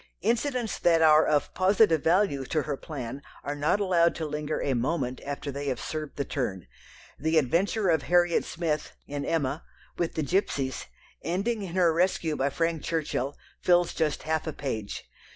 Incidents that are of positive value to her plan are not allowed to linger a moment after they have served the turn. The adventure of Harriet Smith (in Emma) with the gipsies, ending in her rescue by Frank Churchill, fills just half a page.